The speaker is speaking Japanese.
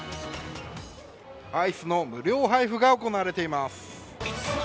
アイスの無料配布が行われています。